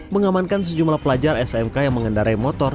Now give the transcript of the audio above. mengamankan sejumlah pelajar smk yang mengendarai motor